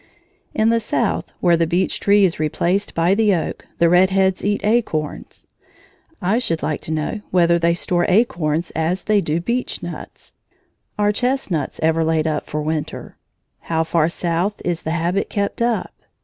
In the South, where the beech tree is replaced by the oak, the red heads eat acorns. I should like to know whether they store acorns as they do beechnuts. Are chestnuts ever laid up for winter? How far south is the habit kept up?